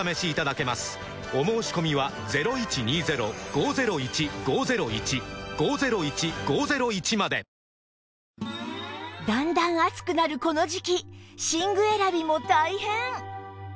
お申込みはだんだん暑くなるこの時季寝具選びも大変！